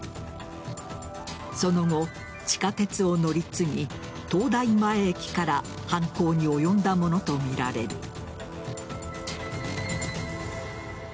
その後、地下鉄を乗り継ぎ東大前駅から犯行に及んだものとみられる。